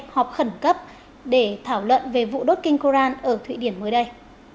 họp khẩn cấp để thảo luận về vụ đốt kinh koran ở thụy điển mới đây